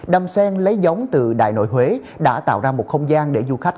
đầm sen lấy giống từ đại nội huế đã tạo ra một không gian để du khách